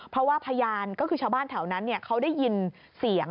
เพราะว่าพยานก็คือชาวบ้านแถวนั้นเขาได้ยินเสียง